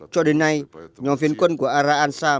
cho đến nay nhóm phiến quân của ara ansam